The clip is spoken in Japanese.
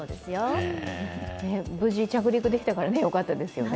無事着陸できたからよかったですよねね。